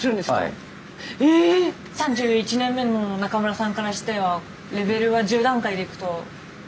３１年目の中村さんからしてはレベルは１０段階でいくと？